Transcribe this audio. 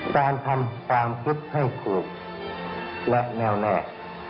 การทำความคิดให้ถูกและแนวแนก